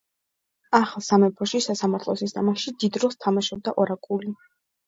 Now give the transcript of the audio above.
ახალ სამეფოში სასამართლო სისტემაში დიდ როლს თამაშობდა ორაკული.